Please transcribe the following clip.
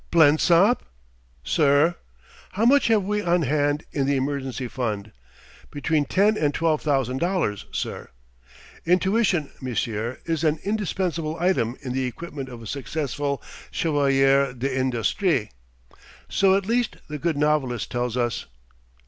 "Blensop?" "Sir?" "How much have we on hand, in the emergency fund?" "Between ten and twelve thousand dollars, sir." "Intuition, monsieur, is an indispensable item in the equipment of a successful chevalier d'Industrie. So, at least, the good novelists tell us...."